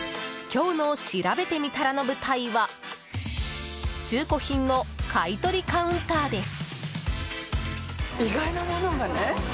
今日のしらべてみたらの舞台は中古品の買い取りカウンターです。